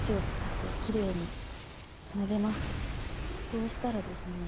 そうしたらですね